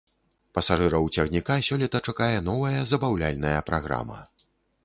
Пасажыраў цягніка сёлета чакае новая забаўляльная праграма.